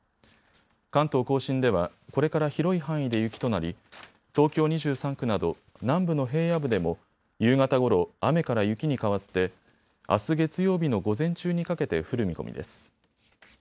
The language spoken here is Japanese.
関東甲信ではこれから広い範囲で雪となり東京２３区など南部の平野部でも夕方ごろ、雨から雪に変わってあす月曜日の午前中にかけて降る見込みです。